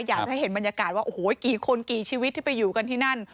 อยากจะให้เห็นบรรยากาศว่าโอ้โหกี่คนกี่ชีวิตที่ไปอยู่กันที่นั่น